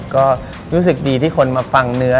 ก็รู้สึกดีที่คนมาฟังเนื้อ